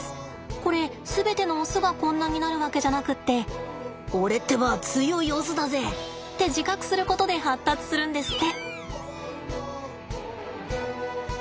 これ全てのオスがこんなになるわけじゃなくって俺ってば強いオスだぜ！って自覚することで発達するんですって。